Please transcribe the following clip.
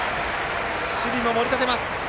守備も盛り立てます！